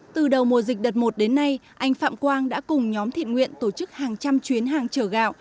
từ đầu mùa dịch đợt một đến nay anh phạm quang đã cùng nhóm thiện nguyện tổ chức hàng trăm chuyến hàng chở gạo